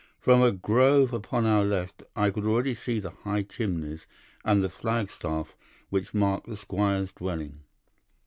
From a grove upon our left I could already see the high chimneys and the flag staff which marked the squire's dwelling.